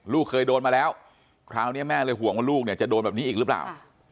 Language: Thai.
เคยโดนมาแล้วคราวนี้แม่เลยห่วงว่าลูกเนี่ยจะโดนแบบนี้อีกหรือเปล่า